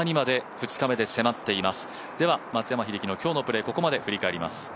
では松山英樹の今日のプレーここまで振り返ります。